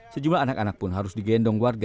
sejumlah anak anak pun harus digendong warga